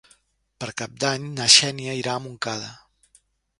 Per Cap d'Any na Xènia irà a Montcada.